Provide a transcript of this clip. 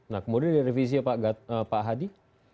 nah kemudian dari revisi pak hadi